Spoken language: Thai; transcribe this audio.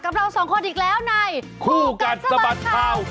กับเราสองคนอีกแล้วนายก็กันสบาร์นท้าว